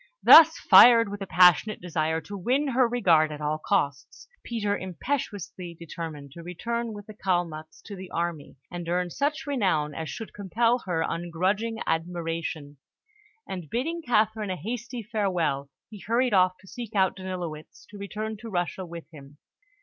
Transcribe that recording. Thus fired with a passionate desire to win her regard at all costs, Peter impetuously determined to return with the Kalmuks to the army, and earn such renown as should compel her ungrudging admiration; and bidding Catherine a hasty farewell, he hurried off to seek out Danilowitz to return to Russia with him.